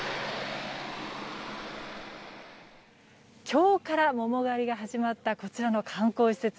今日からもも狩りが始まったこちらの観光施設。